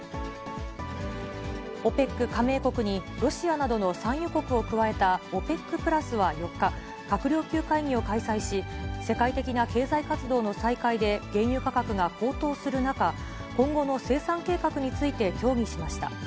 ＯＰＥＣ加盟国に、ロシアなどの産油国を加えたＯＰＥＣプラスは４日、閣僚級会議を開催し、世界的な経済活動の再開で、原油価格が高騰する中、今後の生産計画について協議しました。